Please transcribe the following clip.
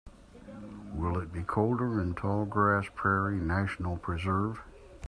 Will it be colder in Tallgrass Prairie National Preserve?